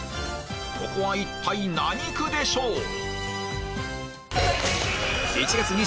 ここは一体何区でしょう？